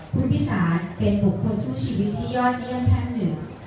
คุณพิสารเป็นบุคคลสู้ชีวิตที่ยอดเดี่ยวหนึ่ง